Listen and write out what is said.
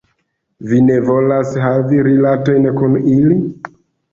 Vi ne volas havi rilatojn kun ili?